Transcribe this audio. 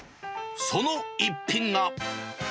その一品が。